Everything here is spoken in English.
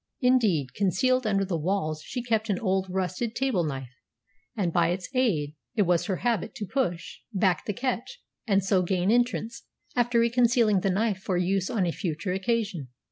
Indeed, concealed under the walls she kept an old rusted table knife, and by its aid it was her habit to push back the catch and so gain entrance, after reconcealing the knife for use on a future occasion.